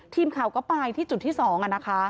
ทีมข่าก็ไปที่จุดที่สอง